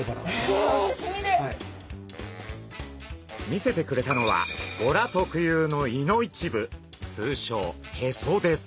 見せてくれたのはボラ特有の胃の一部つうしょうヘソです。